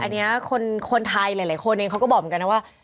อันนี้คนไทยหลายคนเองเขาก็บอกเหมือนกันนะว่า